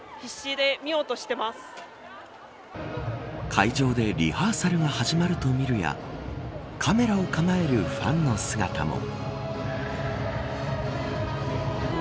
会場でリハーサルが始まると見るやカメラを構えるファンの姿も。